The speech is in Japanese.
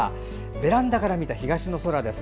ベランダから見た東の空です。